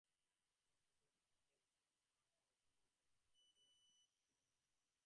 পাশ্চাত্যের এ-সব আড়ম্বর সর্বথা অন্তঃসারশূন্য ও আত্মার বন্ধন।